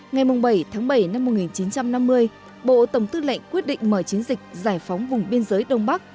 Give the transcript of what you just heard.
ngày bảy tháng bảy năm một nghìn chín trăm năm mươi bộ tổng tư lệnh quyết định mở chiến dịch giải phóng vùng biên giới đông bắc